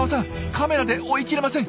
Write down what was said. カメラで追いきれません。